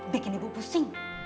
bikin ibu pusing